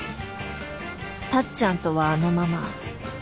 タッちゃんとはあのまま。